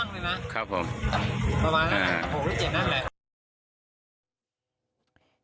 ทีนี้จากการสืบส่งของตำรวจพวกต้นเนี่ยค่ะ